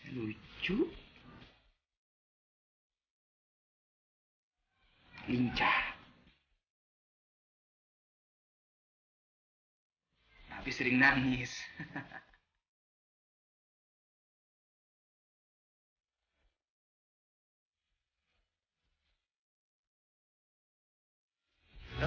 nona mau pergi kemana ya